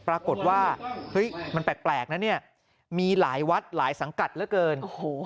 ปรากฏว่าเฮ้ยมันแปลกนะเนี่ยมีหลายวัดหลายสังกัดเหลือเกิน